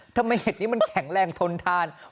เห็ดนี้มันแข็งแรงทนทาน